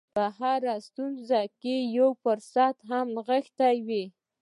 په هره ستونزه کې یو فرصت هم نغښتی وي